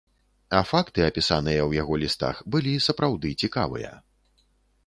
А факты, апісаныя ў яго лістах, былі сапраўды цікавыя.